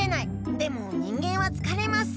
でも人間はつかれます。